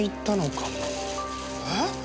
えっ？